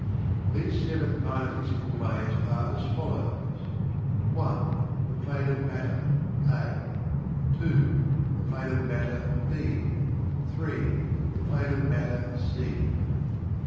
These Seven Minor Physical Planes are as follows: 1. The Plane of Matter (A) 2. The Plane of Matter (B) 3. The Plane of Matter (C) 4.